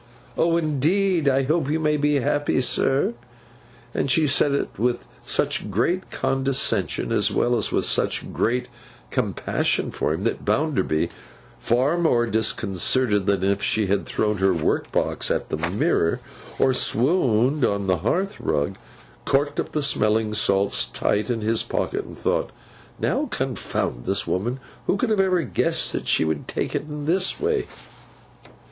Oh, indeed I hope you may be happy, sir!' And she said it with such great condescension as well as with such great compassion for him, that Bounderby,—far more disconcerted than if she had thrown her workbox at the mirror, or swooned on the hearthrug,—corked up the smelling salts tight in his pocket, and thought, 'Now confound this woman, who could have even guessed that she would take it in this way!